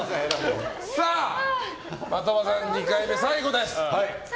的場さん、２回目最後です。